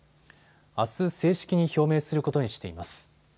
あす正式に表明することにしています。